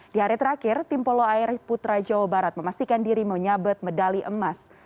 di hari terakhir tim polo air putra jawa barat memastikan diri menyabet medali emas